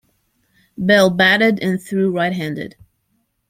Bell batted and threw right-handed.